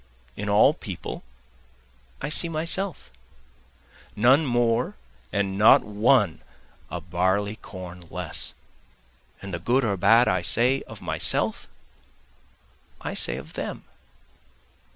In all people I see myself, none more and not one a barley corn less, And the good or bad I say of myself I say of them.